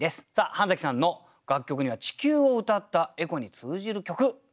半さんの楽曲には地球を歌ったエコに通じる曲があるんですよね。